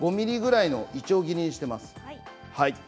５ｍｍぐらいのいちょう切りにしています。